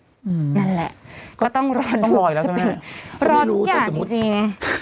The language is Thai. นั่นแหละก็ต้องรอทุกอย่างจริง